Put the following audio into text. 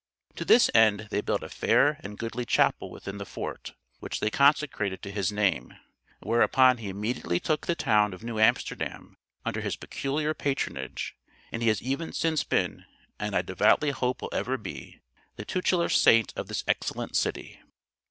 To this end they built a fair and goodly chapel within the fort, which they consecrated to his name; whereupon he immediately took the town of New Amsterdam under his peculiar patronage, and he has even since been, and I devoutly hope will ever be, the tutelar saint of this excellent city.